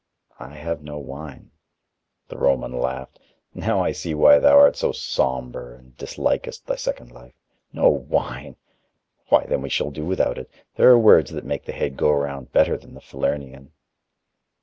"I have no wine." The Roman laughed. "Now I see why thou art so somber and dislikest thy second life. No wine! Why, then we shall do without it: there are words that make the head go round better than the Falernian."